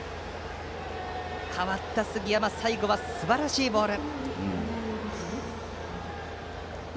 代わった、杉山最後はすばらしいボール。